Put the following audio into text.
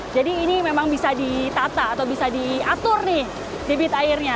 ini memang bisa ditata atau bisa diatur nih debit airnya